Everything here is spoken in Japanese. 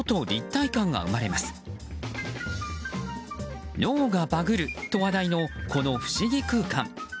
脳がバグると話題のこの不思議空間。